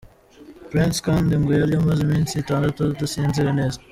Prince kandi ngo yari amaze iminsi itandatu adasinzira neza.